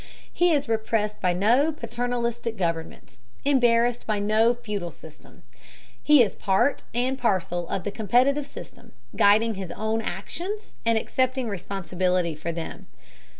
He is repressed by no paternalistic government, embarrassed by no feudal system. He is part and parcel of the competitive system, guiding his own actions and accepting responsibility for them.